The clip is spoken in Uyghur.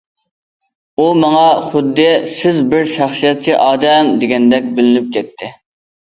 ئۇ ماڭا خۇددى« سىز بىر شەخسىيەتچى ئادەم» دېگەندەك بىلىنىپ كەتتى.